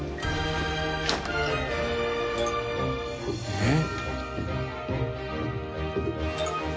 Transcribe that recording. えっ？